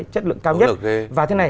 chất lượng cao nhất và thế này